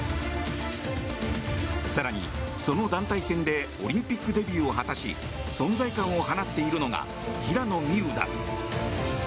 更に、その団体戦でオリンピックデビューを果たし存在感を放っているのが平野美宇だ。